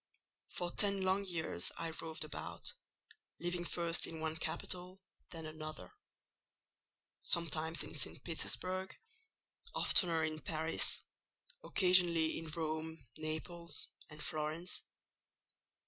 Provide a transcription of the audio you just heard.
For ten long years I roved about, living first in one capital, then another: sometimes in St. Petersburg; oftener in Paris; occasionally in Rome, Naples, and Florence.